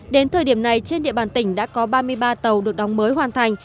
đến thời điểm này trên địa bàn tỉnh đã có ba mươi ba tàu được đóng mới hoàn thành